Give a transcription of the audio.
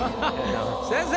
先生。